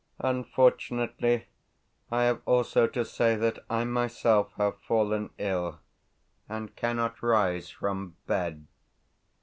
Unfortunately, I have also to say that I myself have fallen ill, and cannot rise from bed.